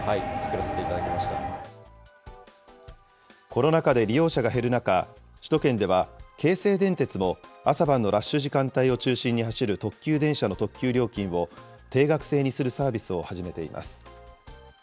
コロナ禍で利用者が減る中、首都圏では京成電鉄も朝晩のラッシュ時間帯を中心に走る特急電車の特急料金を、ていがくせいにするサービスを始めています。